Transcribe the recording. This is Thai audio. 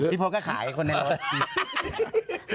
พี่โภคก็ขายคนในรถ